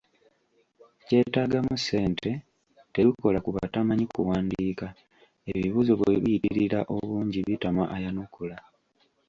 Kwetaagamu ssente, terukola ku batamanyi kuwandiika, ebibuuzo bwe biyitirira obungi bitama ayanukula.